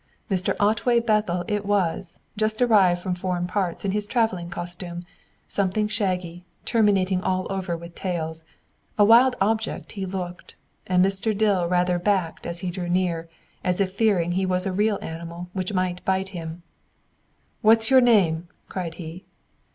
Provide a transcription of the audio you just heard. Mr. Otway Bethel it was, just arrived from foreign parts in his travelling costume something shaggy, terminating all over with tails. A wild object he looked; and Mr. Dill rather backed as he drew near, as if fearing he was a real animal which might bite him. "What's your name?" cried he.